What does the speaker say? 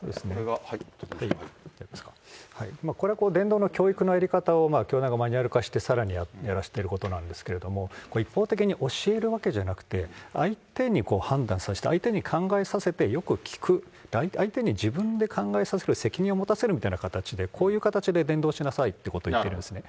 これは伝道の教育の在り方を教団がマニュアル化して、さらにやらせてることなんですけれども、一方的に教えるわけじゃなくて、相手に判断させて、相手に考えさせて、よく聞く、相手に自分で考えさせて、責任を持たせるみたいな形で、こういう形で伝道しなさいってことを言ってるんですね。